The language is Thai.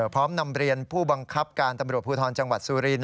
พร้อมนำเรียนผู้บังคับการตำรวจภูทรจังหวัดสุรินท